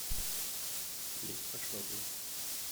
Nicht verschlucken.